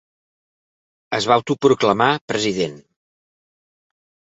Es va autoproclamar President.